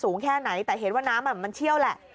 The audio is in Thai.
แค่ไหนแต่เห็นว่าน้ำมันเชี่ยวแหละ